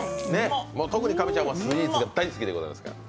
特に神ちゃんはスイーツが大好きでございますから。